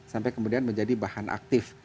sampai kemudian menjadi bahan aktif